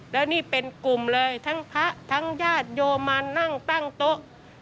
แล้วนี่เป็นกลุ่มเลยทั้งพระทั้งญาติโยมานั่งตั้งโต๊ะ